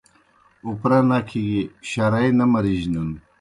اُپرہ نکھہ گیُ شرائے نہ مرجنَن